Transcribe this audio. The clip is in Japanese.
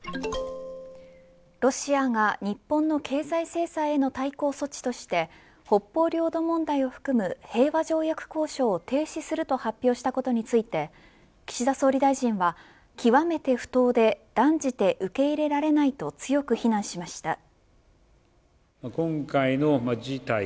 ロシアが日本の経済制裁への対抗措置として北方領土問題を含む平和条約交渉を停止すると発表したことについて岸田総理大臣は極めて不当で断じて受け入れられないと強く非難しました。